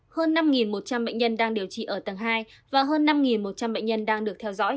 hơn năm một trăm linh bệnh nhân đang điều trị ở tầng hai và hơn năm một trăm linh bệnh nhân đang được theo dõi